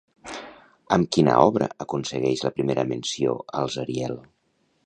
Amb quina obra aconsegueix la primera menció als Ariel?